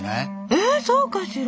ええそうかしら？